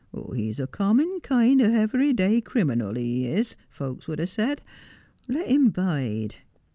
He's a com mon kind of hevery day criminal, he is — folks 'ud a' said. Let him bide.